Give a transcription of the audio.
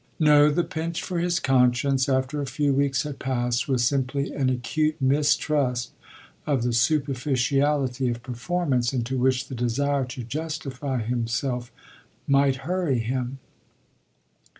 No, the pinch for his conscience after a few weeks had passed was simply an acute mistrust of the superficiality of performance into which the desire to justify himself might hurry him.